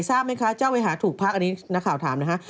ทราบไหมคะเจ้าไปหาถูกพักอันนี้นักข่าวถามนะฮะ